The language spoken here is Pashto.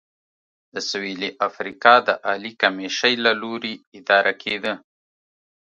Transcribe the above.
د سوېلي افریقا د عالي کمېشۍ له لوري اداره کېده.